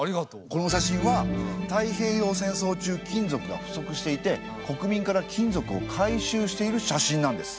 この写真は太平洋戦争中金属が不足していて国民から金属を回収している写真なんです。